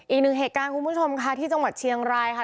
อีกหนึ่งเหตุการณ์คุณผู้ชมค่ะที่จังหวัดเชียงรายค่ะ